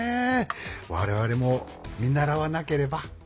我々も見習わなければ。